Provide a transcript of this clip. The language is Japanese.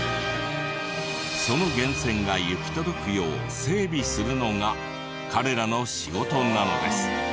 その源泉が行き届くよう整備するのが彼らの仕事なのです。